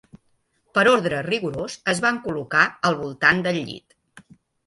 Per ordre rigorós es van col·locar al voltant del llit.